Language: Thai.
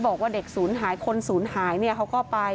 พ่อแม่มาเห็นสภาพศพของลูกร้องไห้กันครับขาดใจ